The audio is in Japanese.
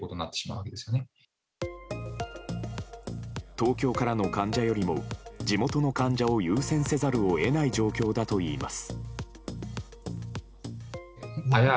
東京からの患者よりも地元の患者を優先せざるを得ない状況だといいます。